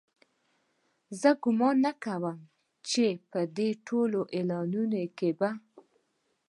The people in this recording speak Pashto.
زه ګومان نه کوم چې په دې ټولو اعلانونو کې به.